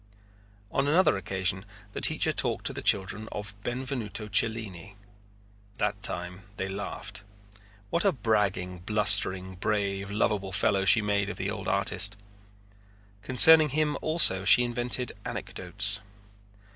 On another occasion the teacher talked to the children of Benvenuto Cellini. That time they laughed. What a bragging, blustering, brave, lovable fellow she made of the old artist! Concerning him also she invented anecdotes.